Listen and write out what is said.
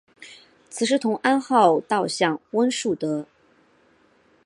此时同安号倒向温树德。